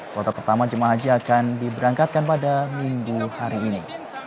kuota pertama jemaah haji akan diberangkatkan pada minggu hari ini